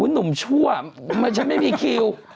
หนุ่มชั่วฉันไม่มีคิว